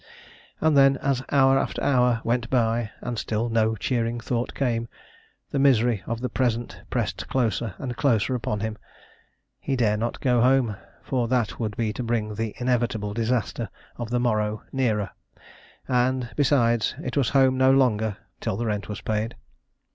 And then, as hour after hour went by, and still no cheering thought came, the misery of the present pressed closer and closer upon him. He dare not go home, for that would be to bring the inevitable disaster of the morrow nearer, and, besides, it was home no longer till the rent was paid.